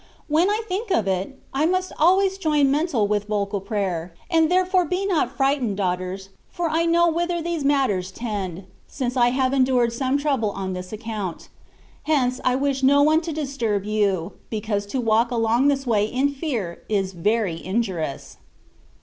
When I think of it, I must always join mental with vocal prayer, and therefore be not fright ened, daughters, for I know whither these mat ters tend, since I have endured some trouble on this account; hence I wish no one to disturb you, because to walk along this way in fear is very injurious.